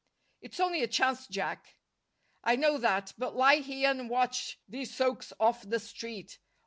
"It's only a chance, Jack." "I know that. But lie here and watch these soaks off the street.